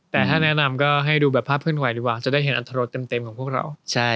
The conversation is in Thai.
แต่ถ้านแนะนำก็ให้ดูแบบภาพเพื่อนไขว่ดีกว่า